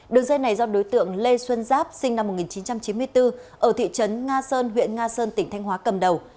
đường dây này do đối tượng lê xuân giáp sinh năm một nghìn chín trăm chín mươi bốn ở thị trấn nga sơn huyện nga sơn tỉnh thanh hóa cầm đầu